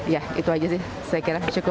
ya itu aja sih saya kira cukup